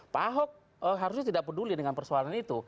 pak ahok harusnya tidak peduli dengan persoalan itu